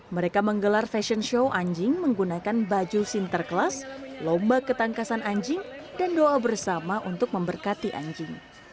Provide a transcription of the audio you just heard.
mereka menggelar fashion show anjing menggunakan baju sinterklas lomba ketangkasan anjing dan doa bersama untuk memberkati anjing